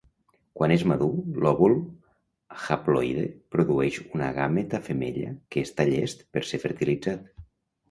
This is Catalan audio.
Quan és madur, l'òvul haploide produeix un gàmeta femella que està llest per ser fertilitzat.